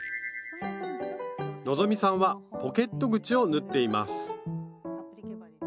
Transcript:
希さんはポケット口を縫っています